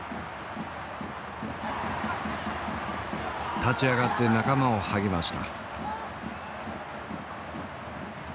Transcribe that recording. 立ち上がって仲間を励ました。